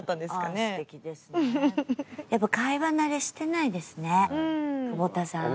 やっぱ会話慣れしてないですね久保田さん。